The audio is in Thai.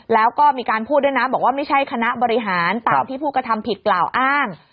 แล้วก็มีการพูดด้วยนะบอกว่าไม่ใช่คณะบริหารตามที่ผู้กระทำผิดกล่าวอ้าง